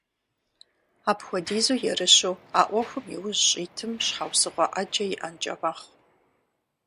Апхуэдизу ерыщу а Ӏуэхум иужь щӀитым щхьэусыгъуэ Ӏэджэ иӀэнкӀэ мэхъу.